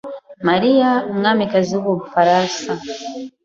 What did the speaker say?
Marie umwamikazi w’u Bufaransa